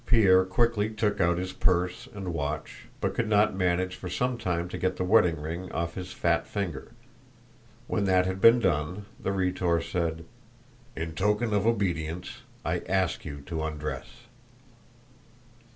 Pierre quickly took out his purse and watch, but could not manage for some time to get the wedding ring off his fat finger. When that had been done, the Rhetor said: "In token of obedience, I ask you to undress."